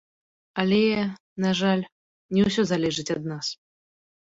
Але, на жаль, не ўсё залежыць ад нас.